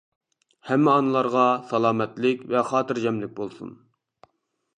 ھەممە ئانىلارغا سالامەتلىك ۋە خاتىرجەملىك بولسۇن!